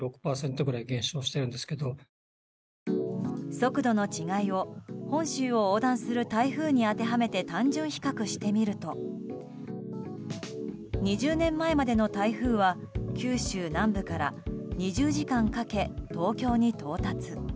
速度の違いを本州を横断する台風に当てはめて単純比較してみると２０年前までの台風は九州南部から２０時間かけ東京に到達。